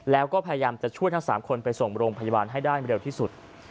แล้วก็พยายามจะช่วยทั้ง๓คนไปส่งโรงพยาบาลให้ได้เร็วที่สุด